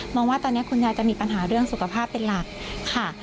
บอกว่าตอนนี้คุณยายจะมีปัญหาเรื่องสุขภาพเป็นหลักค่ะ